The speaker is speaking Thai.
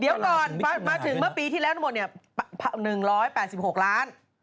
เดี๋ยวก่อนมาถึงเมื่อปีที่แล้วทั้งหมดเนี่ย๑๘๖ล้าน